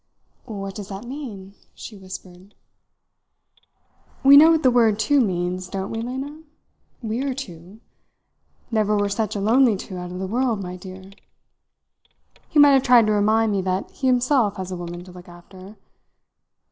"What does that mean?" she whispered. "We know what the word two means, don't we, Lena? We are two. Never were such a lonely two out of the world, my dear! He might have tried to remind me that he himself has a woman to look after.